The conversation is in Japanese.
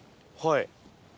はい。